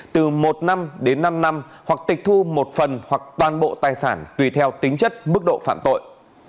từ một năm đến năm năm hoặc tịch thu một phần hoặc toàn bộ tài sản tùy theo tính chất mức độ phạm tội